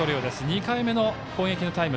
２回目の攻撃のタイム。